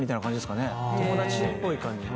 友達っぽい感じ。